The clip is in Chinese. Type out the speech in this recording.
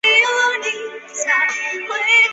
苏瓦松站位于苏瓦松市区的东南部。